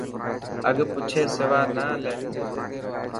اگھه پوڇي سوانا لي.